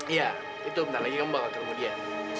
iya itu bentar lagi kamu bawa ke rumah dia